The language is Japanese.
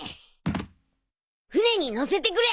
船に乗せてくれ！